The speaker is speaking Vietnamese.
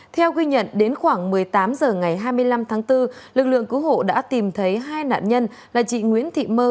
theo ghi nhận đến khoảng một mươi tám h ngày hai mươi năm tháng bốn lực lượng cứu hộ đã tìm thấy hai nạn nhân là chị nguyễn thị mơ